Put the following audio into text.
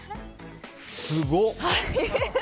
すごっ！